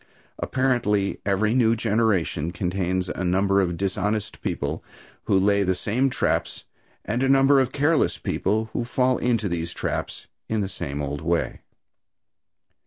Apparently, every new generation contains a number of dishonest people who lay the same traps, and a number of careless people who fall into these traps in the same old way.